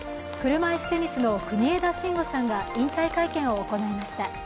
車いすテニスの国枝慎吾さんが引退会見を行いました。